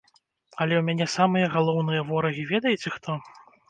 Але ў мяне самыя галоўныя ворагі ведаеце хто?